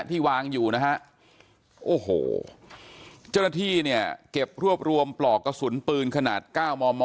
ที่วางอยู่นะฮะโอ้โหเจ้าหน้าที่เนี่ยเก็บรวบรวมปลอกกระสุนปืนขนาด๙มม